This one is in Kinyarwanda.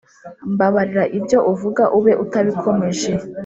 Mbabarira ibyo uvuga ube utabikomeje